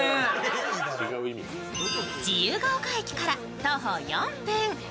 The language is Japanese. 自由が丘駅から徒歩４分。